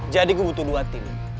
jadi gue butuh dua tim